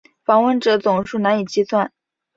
访问者总数难以计算。